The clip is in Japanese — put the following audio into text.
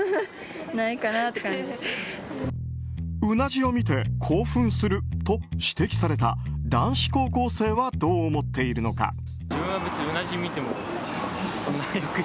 うなじにを見て興奮すると指摘された男子高校生はどう思っているのか。